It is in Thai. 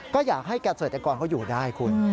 ก็อยากให้เกษตรกรเขาอยู่ได้คุณ